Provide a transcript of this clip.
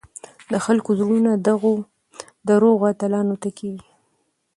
د خلکو زړونه دغو دروغو اتلانو ته کېږي.